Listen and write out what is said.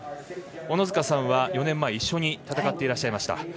小野塚さんは４年前、一緒に戦っていらっしゃいました。